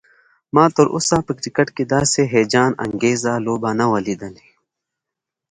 ما تراوسه په کرکټ کې داسې هيجان انګیزه لوبه نه وه لیدلی